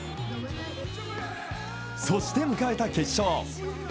そして迎えた決勝。